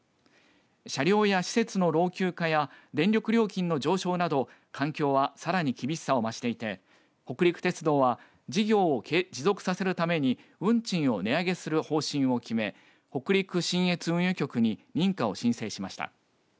車両や施設の老朽化や電力料金の上昇など環境はさらに厳しさを増していて北陸鉄道は事業を持続させるために運賃を値上げする方針を決め北陸信越運輸局に認可を申請しました。